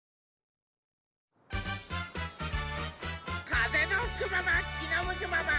かぜのふくままきのむくまま。